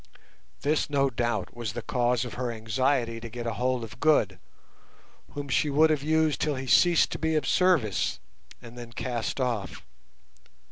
This, no doubt, was the cause of her anxiety to get a hold of Good, whom she would have used till he ceased to be of service and then cast off.